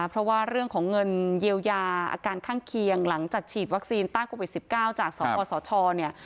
เพราะว่าเรื่องของเงินเยียวยาอาการข้างเคียงหลังจากฉีดวัคซีนต้านโควิด๑๙จากสปสชเนี่ย